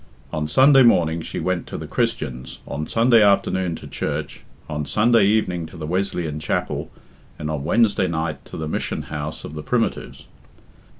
On Sunday morning she went to The Christians, on Sunday afternoon to church, on Sunday evening to the Wesleyan chapel, and on Wednesday night to the mission house of the Primitives.